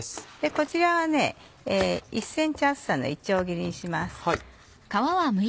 こちらは１ｃｍ厚さのいちょう切りにします。